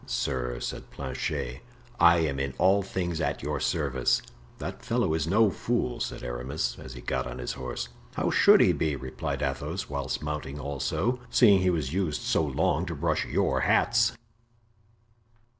"Sir," said Planchet, "I am in all things at your service." "That fellow is no fool," said Aramis, as he got on his horse. "How should he be?" replied Athos, whilst mounting also, "seeing he was used so long to brush your hats."